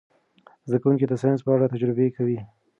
زده کوونکي د ساینس په اړه تجربې کوي.